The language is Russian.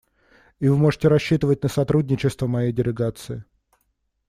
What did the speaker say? И вы можете рассчитывать на сотрудничество моей делегации.